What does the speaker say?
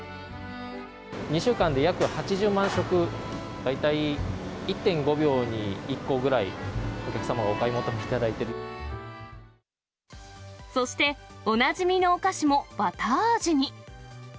２週間で約８０万食、大体１．５秒に１個ぐらい、お客様、そして、おなじみのお菓子もバター味に。